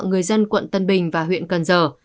người dân quận tân bình và huyện cần giờ